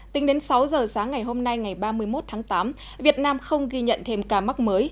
tính đến sáu giờ sáng ngày hôm nay ngày ba mươi một tháng tám việt nam không ghi nhận thêm ca mắc mới